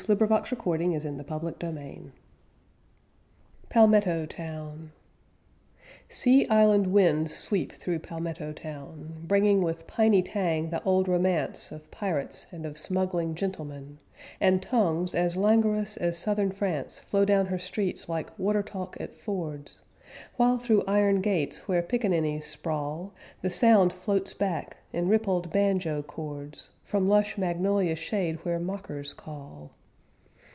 H.A. See the note at the back of the book. PALMETTO TOWN Sea island winds sweep through Palmetto Town, Bringing with piney tang the old romance Of Pirates and of smuggling gentlemen; And tongues as languorous as southern France Flow down her streets like water talk at fords; While through iron gates where pickaninnies sprawl, The sound floats back, in rippled banjo chords, From lush magnolia shade where mockers call.